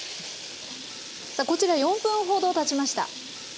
さあこちら４分ほどたちました。